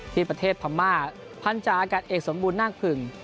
ที่ประเทศพม่าพันธาอากาศเอกสมบูรณาคผึ่ง